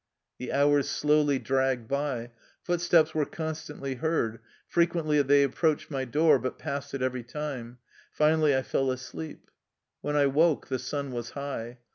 The hours slowly dragged by. Footsteps were con stantly heard; frequently they approached my door, but passed it every time. Finally I fell asleep. When I woke, the sun was high.